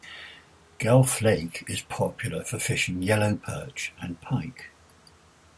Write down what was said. Guelph Lake is popular for fishing yellow perch and pike.